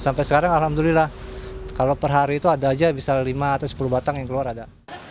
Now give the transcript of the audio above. sampai sekarang alhamdulillah kalau per hari itu ada aja misalnya lima atau sepuluh batang yang keluar ada